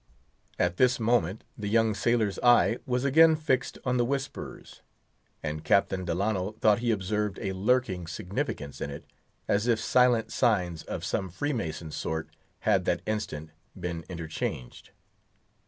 At this moment the young sailor's eye was again fixed on the whisperers, and Captain Delano thought he observed a lurking significance in it, as if silent signs, of some Freemason sort, had that instant been interchanged.